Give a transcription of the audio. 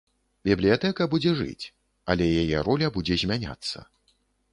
Бібліятэка будзе жыць, але яе роля будзе змяняцца.